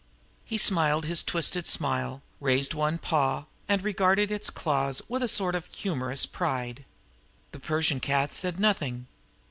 He smiled his twisted smile, raised one paw, and regarded its claws with a sort of humorous pride. The Persian cat said nothing.